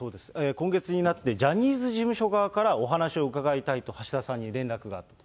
今月になって、ジャニーズ事務所側からお話を伺いたいと、橋田さんに連絡があった。